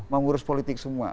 mau ngurus politik semua